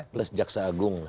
plus jaksa agung